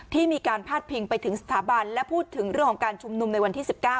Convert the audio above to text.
มีการพาดพิงไปถึงสถาบันและพูดถึงเรื่องของการชุมนุมในวันที่๑๙